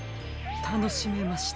たのしめました。